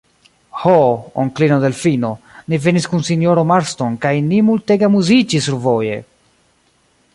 Ho, onklino Delfino, ni venis kun sinjoro Marston kaj ni multege amuziĝis survoje!